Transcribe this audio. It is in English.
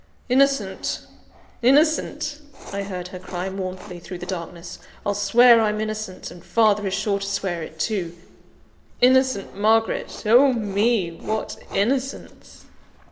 "Innocent! innocent!" I heard her cry mournfully through the darkness. "I'll swear I'm innocent, and father is sure to swear it too. Innocent Margaret! Oh, me! what innocence!"